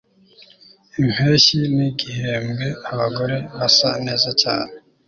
impeshyi nigihembwe abagore basa neza cyane